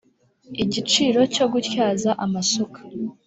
igiciro cyo gutyaza amasuka